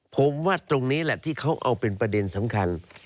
ผมว่าตรงนี้แหละที่เขาเอาเป็นประเด็นสำคัญ